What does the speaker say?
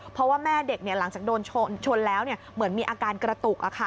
เพราะว่าแม่เด็กหลังจากโดนชนแล้วเหมือนมีอาการกระตุก